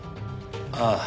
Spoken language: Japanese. ああ。